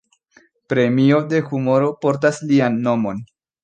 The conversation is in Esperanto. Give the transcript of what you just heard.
Premio de humoro portas lian nomon.